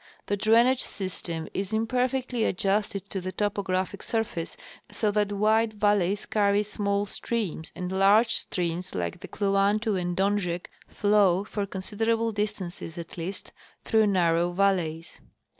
The drainage system is imperfectly adjusted to the toi:)Ographic surface, so that wide valleys carry small streams, and large streams like the Kluantu and Donjek flow, for considerable distances at least, through narrow valleys.